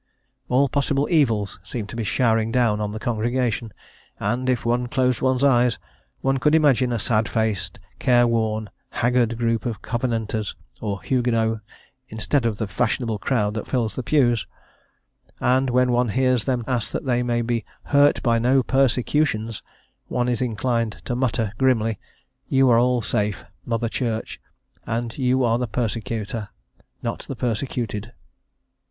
All possible evils seem to be showering down on the congregation, and, if one closed one's eyes, one could imagine a sad faced, care worn, haggard group of Covenanters, or Huguenots, instead of the fashionable crowd that fills the pews; and when one hears them ask that they may be "hurt by no persecutions," one is inclined to mutter grimly: "You are all safe, mother Church, and you are the persecutor, not the persecuted."